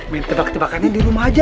minta bak ketepakanin di rumah aja